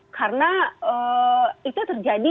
karena itu terjadi